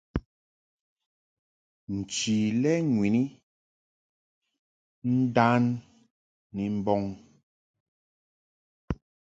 Nchi lɛ ŋwini ndan ni mbɔŋ.